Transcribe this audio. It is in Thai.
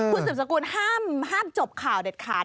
คุณสืบสกุลห้ามจบข่าวเด็ดขาด